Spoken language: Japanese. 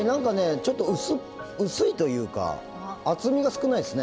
ちょっと薄いというか厚みが少ないですね。